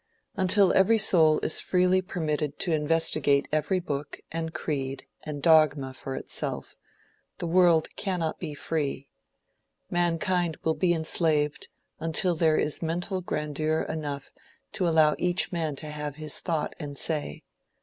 Until every soul is freely permitted to investigate every book, and creed, and dogma for itself, the world cannot be free. Mankind will be enslaved until there is mental grandeur enough to allow each man to have his thought and say.